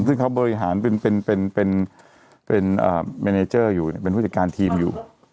ซึ่งเขาบริหารเป็นเป็นเป็นเป็นเป็นอ่าอยู่เป็นผู้จัดการทีมอยู่